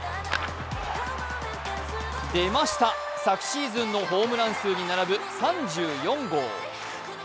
出ました、昨シーズンのホームラン数に並ぶ３４号。